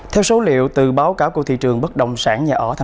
theo số liệu từ báo cáo của thị trường bất đồng sản nhà đầu tư